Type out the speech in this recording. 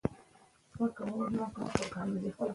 د هضم سیستم او دماغ ترمنځ اړیکه مهمه ده.